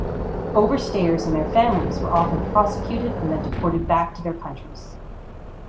Overstayers and their families were often prosecuted and then deported back to their countries.